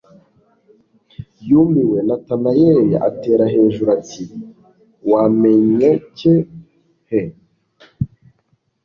Yumiwe, Natanaeli atera hejuru ati: « Wamenycye he? »